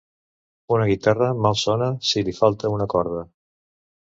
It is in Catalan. Una guitarra mal sona, si li falta una corda.